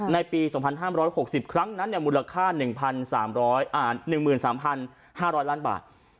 ในปี๒๕๖๐ครั้งนั้นมูลค่า๑๓๕๐๐ล้านบาท